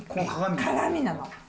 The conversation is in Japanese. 鏡なの。